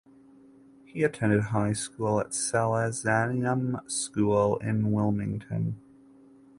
He attended high school at Salesianum School in Wilmington.